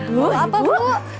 bu apa bu